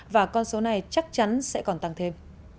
và con số này chắc chắn sẽ còn tăng thêm